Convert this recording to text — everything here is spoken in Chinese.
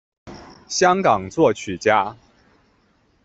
香港作曲家。